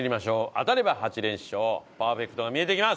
当たれば８連勝パーフェクトが見えてきます！